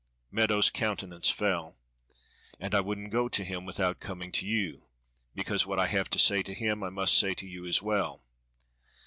Meadows' countenance fell. "And I wouldn't go to him without coming to you; because what I have to say to him I must say to you as well.